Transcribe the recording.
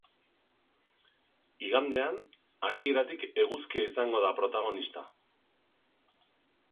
Igandean, hasieratik eguzkia izango da protagonista.